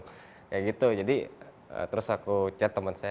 kayak gitu jadi terus aku chat teman saya